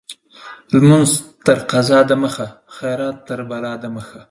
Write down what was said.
لمونځ تر قضا د مخه ، خيرات تر بلا د مخه.